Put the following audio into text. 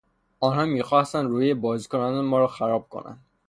آنها میخواستند روحیهی بازیکنان مارا خراب کنند.